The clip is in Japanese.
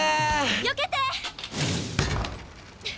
よけて！